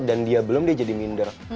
dan dia belum dia jadi minder